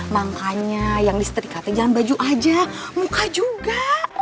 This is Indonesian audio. makanya yang disetrik kata jangan baju aja muka juga